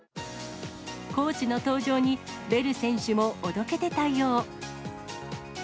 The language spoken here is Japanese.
コーチの登場に、ベル選手もおどけて対応。